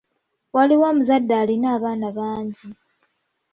Waaliwo omuzadde alina abaana bangi.